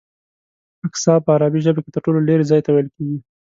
اقصی په عربي ژبه کې تر ټولو لرې ځای ته ویل کېږي.